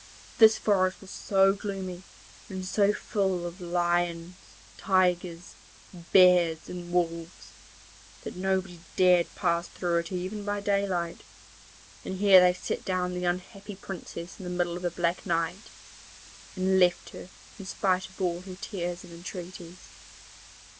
This forest was so gloomy, and so full of lions, tigers, bears and wolves, that nobody dared pass through it even by daylight, and here they set down the unhappy Princess in the middle of the black night, and left her in spite of all her tears and entreaties.